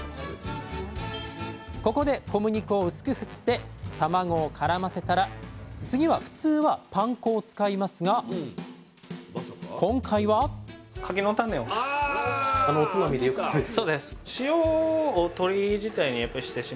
ここで小麦粉を薄くふって卵をからませたら次は普通はパン粉を使いますが今回は？あのおつまみでよく食べる。